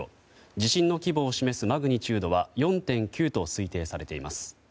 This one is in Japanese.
地震の規模を示すマグニチュードは４．９と推定されています。